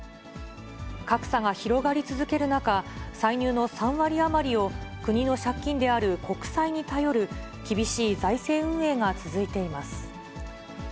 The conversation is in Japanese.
格差が広がり続ける中、歳入の３割余りを国の借金である国債に頼る、厳しい財政運営が続いています。